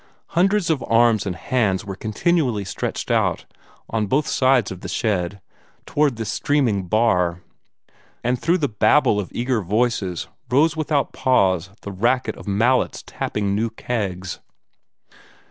Hundreds of arms and hands were continually stretched out, on both sides of the shed, toward this streaming bar, and through the babel of eager cries rose without pause the racket of mallets tapping new kegs.